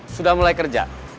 sudah mulai kerja